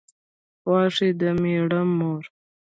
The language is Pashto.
خواښې د مېړه مور